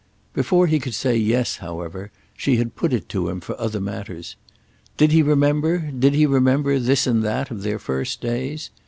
Before he could say yes, however, she had put it to him for other matters. Did he remember, did he remember—this and that of their first days?